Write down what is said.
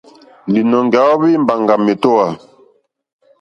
Lìnɔ̀ŋɡɛ̀ à óhwì mbàŋɡɛ̀ à mèótówà.